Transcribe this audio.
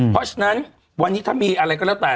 เพราะฉะนั้นวันนี้ถ้ามีอะไรก็แล้วแต่